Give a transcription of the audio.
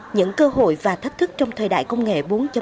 những cơ hội và thách thức trong thời đại công nghệ bốn